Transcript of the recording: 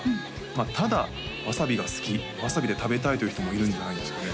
まあただわさびが好きわさびで食べたいという人もいるんじゃないんですかね？